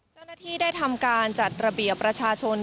เจ้าหน้าที่ได้ทำการจัดระเบียบประชาชน